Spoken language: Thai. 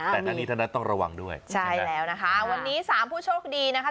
แต่ทั้งนี้ทั้งนั้นต้องระวังด้วยใช่แล้วนะคะวันนี้สามผู้โชคดีนะคะ